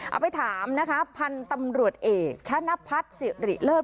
เอาไปถามนะคะพันธุ์ตำรวจเอกชะนพัฒน์สิริเลิศ